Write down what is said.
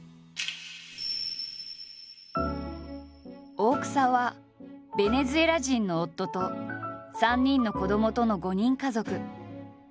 大草はベネズエラ人の夫と３人の子どもとの５人家族。